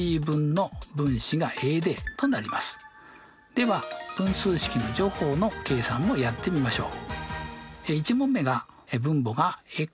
では分数式の除法の計算もやってみましょう。